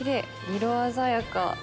色鮮やか。